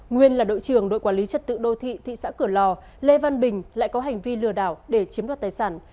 nguyên là đội trưởng đội quản lý trật tự đô thị thị xã cửa lò lê văn bình lại có hành vi lừa đảo để chiếm đoạt tài sản